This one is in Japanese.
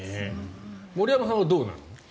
森山さんはどうなの？